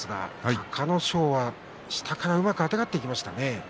隆の勝は下からうまくあてがっていきましたね。